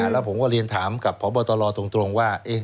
แล้วผมก็เรียนถามกับพบตรตรงว่า